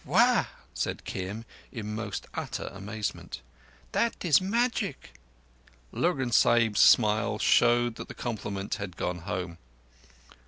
"Wah!" said Kim in most utter amazement. "That is magic." Lurgan Sahib's smile showed that the compliment had gone home.